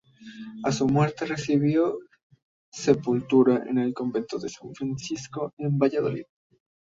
A su muerte, recibió sepultura en el convento de San Francisco en Valladolid.